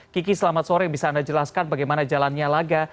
kiki selamat sore bisa anda jelaskan bagaimana jalannya laga